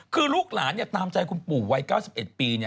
คือลูกหลานตามใจคุณปู่วัย๙๑ปี